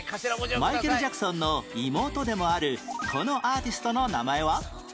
マイケル・ジャクソンの妹でもあるこのアーティストの名前は？